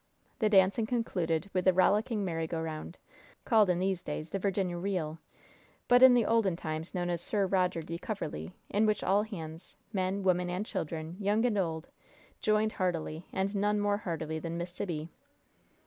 The dancing concluded with the rollicking merry go round, called, in these days, the "Virginia Reel," but in the olden times known as "Sir Roger de Coverly," in which all hands men, women and children, young and old joined heartily, and none more heartily than Miss Sibby.